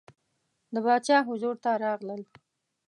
د باچا حضور ته راغلل.